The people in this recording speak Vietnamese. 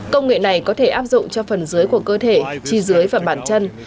công nghệ này có thể áp dụng cho phần dưới của cơ thể chi dưới và bản chân